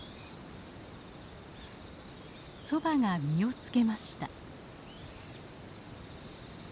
ソバが実を付けました。